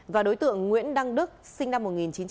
và đối tượng nguyễn đăng đức sinh năm một nghìn chín trăm tám mươi